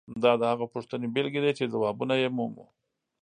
دا د هغو پوښتنو بیلګې دي چې ځوابونه یې مومو.